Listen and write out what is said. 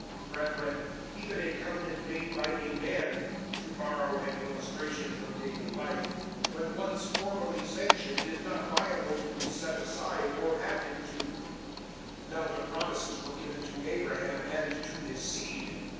003:015 Brethren, even a covenant made by a man to borrow an illustration from daily life when once formally sanctioned is not liable to be set aside or added to. 003:016 (Now the promises were given to Abraham and to his seed.